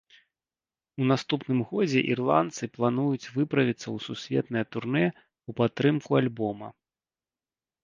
У наступным годзе ірландцы плануюць выправіцца ў сусветнае турнэ ў падтрымку альбома.